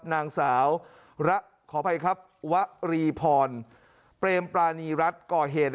นางสาวขออภัยครับวรีพรเปรมปรานีรัฐก่อเหตุ